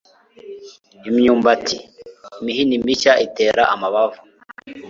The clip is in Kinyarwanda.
imyumbati. imihini mishya itera amabavu